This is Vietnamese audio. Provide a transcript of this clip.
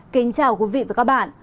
kính chào quý vị và các bạn